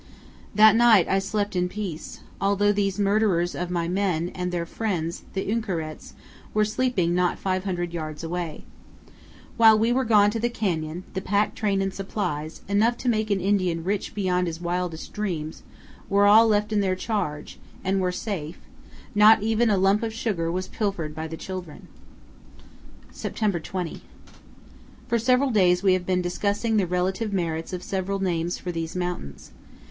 That night I slept in peace, although these murderers of my men, and their friends, the Uinkarets, were sleeping not 500 yards away. While we were gone to the canyon, the pack train and supplies, enough to make an Indian rich beyond his wildest dreams, were all left in their charge, and were all safe; not even a lump of sugar was pilfered by the children. September 20. For several days we have been discussing the relative merits of several names for these mountains.